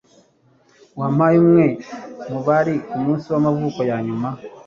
Wampaye umwe mubari kumunsi wamavuko yanyuma.